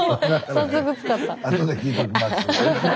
早速使った。